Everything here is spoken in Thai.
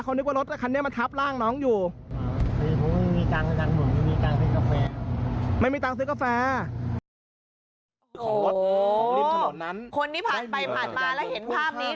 คนที่ผ่านไปผ่านมาแล้วเห็นภาพนี้